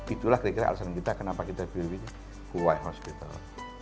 itulah kira kira alasan kita kenapa kita pilih kuwai hospital